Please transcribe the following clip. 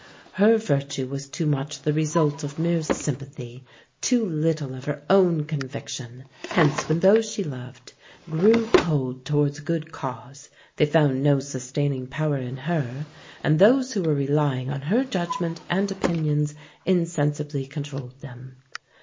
Her virtue was too much the result of mere sympathy, too little of her own conviction. Hence, when those she loved grew cold towards a good cause, they found no sustaining power in her, and those who were relying on her judgment and opinions insensibly controlled them.